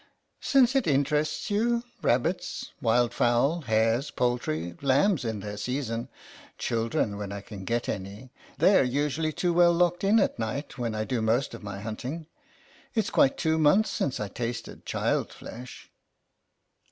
" Since it interests you, rabbits, wild fowl, hares, poultry, lambs in their season, children 4 50 GABRIEL ERNEST when I can get any ; they're usually too well locked in at night, when I do most of my hunting. It's quite two months since I tasted child flesh."